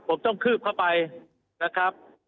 ผมต้องคืบเข้าไปนะครับ